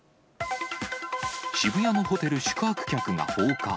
渋谷のホテル宿泊客が放火。